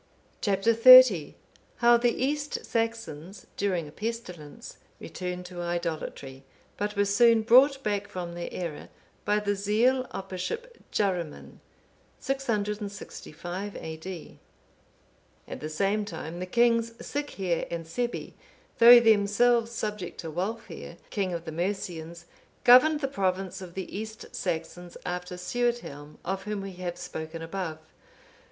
Chap. XXX. How the East Saxons, during a pestilence, returned to idolatry, but were soon brought back from their error by the zeal of Bishop Jaruman. [665 A.D.] At the same time, the Kings Sighere and Sebbi,(512) though themselves subject to Wulfhere, king of the Mercians, governed the province of the East Saxons after Suidhelm, of whom we have spoken above.